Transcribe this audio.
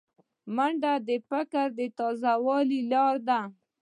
منډه د فکر تازه کولو لاره ده